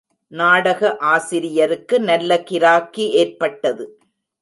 நாடக ஆசிரியருக்கு நல்ல கிராக்கி ஏற்பட்டது.